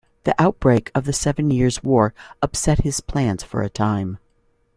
The outbreak of the Seven Years' War upset his plans for a time.